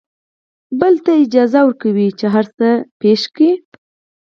بل ته اجازه ورکوي چې هر څه پېښ کړي.